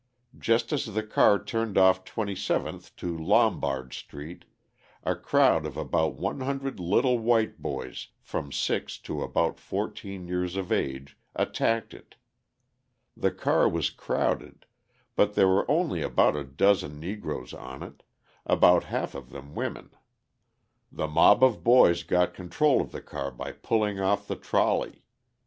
Just as the car turned off Twenty seventh to Lombard Street, a crowd of about one hundred little white boys from six to about fourteen years of age attacked it. The car was crowded, but there were only about a dozen Negroes on it, about half of them women. The mob of boys got control of the car by pulling off the trolley.